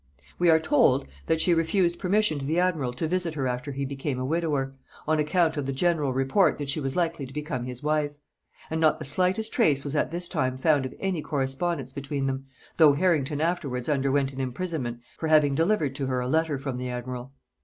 We are told that she refused permission to the admiral to visit her after he became a widower, on account of the general report that she was likely to become his wife; and not the slightest trace was at this time found of any correspondence between them, though Harrington afterwards underwent an imprisonment for having delivered to her a letter from the admiral.